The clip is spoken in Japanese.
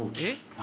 何？